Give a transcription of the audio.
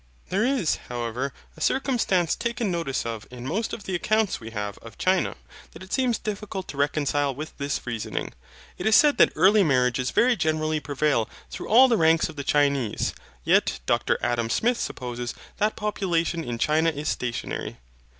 There is, however, a circumstance taken notice of in most of the accounts we have of China that it seems difficult to reconcile with this reasoning. It is said that early marriages very generally prevail through all the ranks of the Chinese. Yet Dr Adam Smith supposes that population in China is stationary.